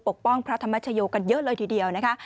ป้องพระธรรมชโยกันเยอะเลยทีเดียวนะคะ